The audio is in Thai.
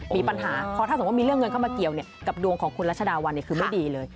มีปัญหาเพราะถ้าสมมุติมีเรื่องเงินเข้ามาเกี่ยวกับดวงของคุณรัชดาวันคือไม่ดีเลย